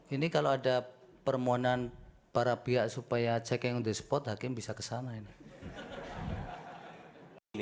ini kalau ada permohonan para pihak supaya checking the spot hakim bisa ke sana ini